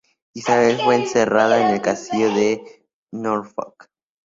Isabel fue encerrada en el Castillo de Norfolk.